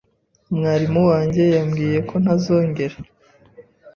Mwarimu wanjye yambwiye ko ntazongera.